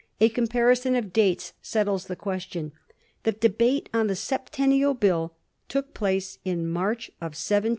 A comparison of dates settles the question. The debate on the Septennial Bill took place in March, 1734; 1784.